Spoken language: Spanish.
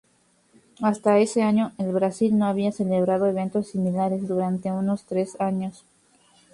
Hasta ese año, el Brasil no había celebrado eventos similares durante unos tres años.